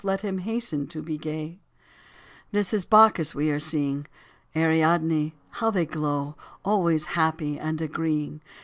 Let him hasten to be gay ! This is Bacchus we are seeing, Ariadne — ^how they glow I Always happy and agreeing.